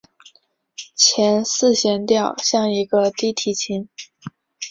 前四弦调像一个低提琴。